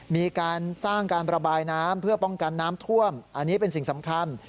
มีการสร้างการประบายน้ำเพื่อป้องกันน้ำท่วมอันนี้เป็นสิ่งสำคัญ